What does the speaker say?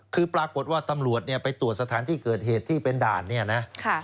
คือปรากฏว่าตำรวจเนี่ยไปตรวจสถานที่เกิดเหตุที่เป็นด่านเนี่ยนะ